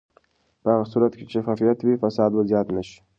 په هغه صورت کې چې شفافیت وي، فساد به زیات نه شي.